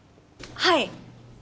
はい！